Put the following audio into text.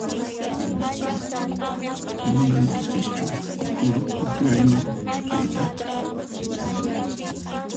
Munankichischu turupukllayman riyta?